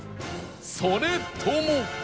それとも